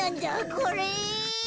これ。